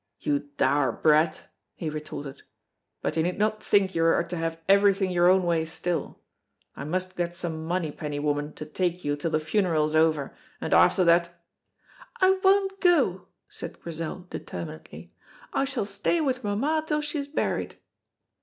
"You dour brat!" he retorted. "But you need not think you are to have everything your own way still. I must get some Monypenny woman to take you till the funeral is over, and after that " "I won't go," said Grizel, determinedly, "I shall stay with mamma till she is buried."